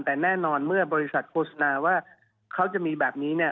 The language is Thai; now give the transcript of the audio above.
แต่แน่นอนเมื่อบริษัทโฆษณาว่าเขาจะมีแบบนี้เนี่ย